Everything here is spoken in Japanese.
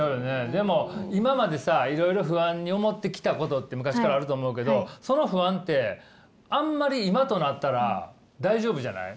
でも今までさいろいろ不安に思ってきたことって昔からあると思うけどその不安ってあんまりあっ確かに。